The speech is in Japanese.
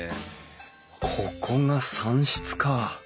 ここが蚕室か！